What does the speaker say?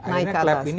naik ke atas